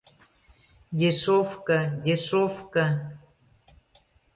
«Дешёвка, дешёвка!..